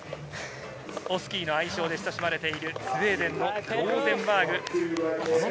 オスキーの愛称で親しまれているスウェーデンのオスカー・ローゼンバーグ。